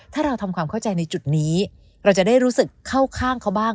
ถ้าเราทำความเข้าใจในจุดนี้เราจะได้รู้สึกเข้าข้างเขาบ้าง